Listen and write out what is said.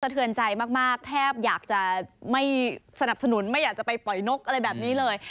เทือนใจมากแทบอยากจะไม่สนับสนุนไม่อยากจะไปปล่อยนกอะไรแบบนี้เลย